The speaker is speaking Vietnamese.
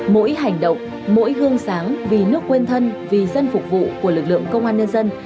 mỗi hành động mỗi hương sáng vì nước quên thân vì dân phục vụ của lực lượng công an nhân dân